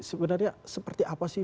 sebenarnya seperti apa sih mereka sih